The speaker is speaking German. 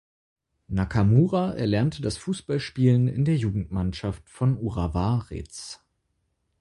Nakamura erlernte das Fußballspielen in der Jugendmannschaft von Urawa Reds.